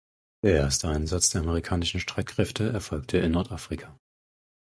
Der erste Einsatz der amerikanischen Streitkräfte erfolgte in Nordafrika.